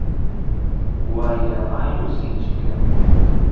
wayra muyu sinchi kan